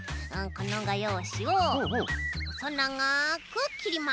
このがようしをほそながくきります。